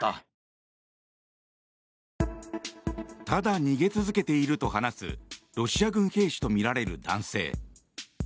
ただ逃げ続けていると話すロシア軍兵士とみられる男性。